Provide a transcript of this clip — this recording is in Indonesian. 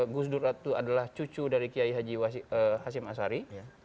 gusdur itu adalah cucu dari kiai haji hasim asari